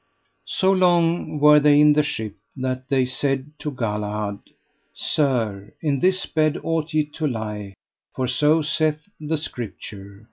So long were they in the ship that they said to Galahad: Sir, in this bed ought ye to lie, for so saith the scripture.